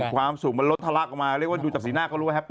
ความสุขลดลัดออกมา